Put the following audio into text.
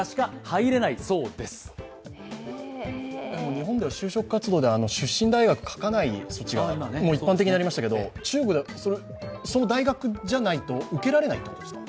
日本では就職活動で出身大学を書かない措置が一般的になりましたけど中国ではその大学じゃないと受けられないということですか？